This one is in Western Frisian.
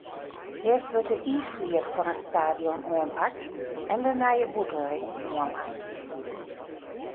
Earst wurdt de iisflier fan it stadion oanpakt en de nije bûtenring oanlein.